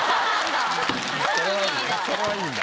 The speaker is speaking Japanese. それはいいんだ。